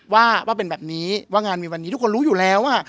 ว่าเป็นแบบนี้ว่างานมีวันนี้ทุกคนรู้อยู่แล้ว